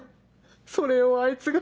それをあいつが！